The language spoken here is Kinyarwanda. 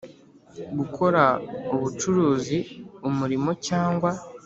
gukora ubucuruzi umurimo cyangwa